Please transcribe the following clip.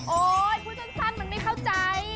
โอ๊ยผู้ช่างสร้างมันไม่เข้าใจ